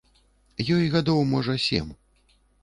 Ёй гадоў, можа, сем.